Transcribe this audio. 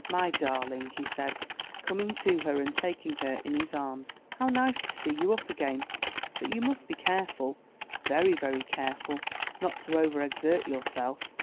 "My darling," he said, coming to her and taking her in his arms. "How nice to see you up again; but you must be careful, very, very careful, not to overexert yourself."